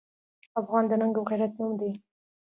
افغان د ننګ او غیرت نوم دی.